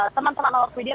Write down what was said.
teman teman orang media